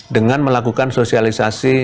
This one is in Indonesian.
dengan melakukan sosialisasi